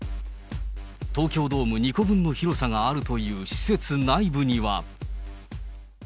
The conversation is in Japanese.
東京ドーム２個分の広さがあるという施設内部には。